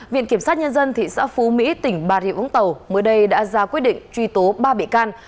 viện kiểm sát nhân dân thị xã phú mỹ tỉnh bà rịa vũng tàu mới đây đã ra quyết định truy tố ba bị can